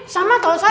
sama tau sa